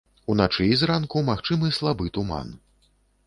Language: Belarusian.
Уначы і зранку магчымы слабы туман.